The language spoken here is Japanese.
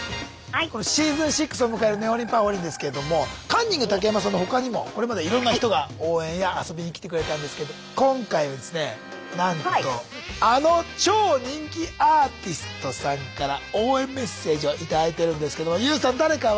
このシーズン６を迎える「ねほりんぱほりん」ですけれどもカンニング竹山さんの他にもこれまでいろんな人が応援や遊びに来てくれたんですけど今回ですねなんとあの超人気アーティストさんから応援メッセージを頂いてるんですけどＹＯＵさん誰か分かりますよね？